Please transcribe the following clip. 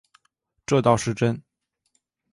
这倒是真